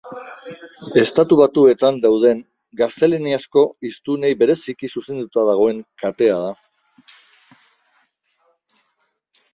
Estatu Batuetan dauden gaztelaniazko hiztunei bereziki zuzenduta dagoen katea da.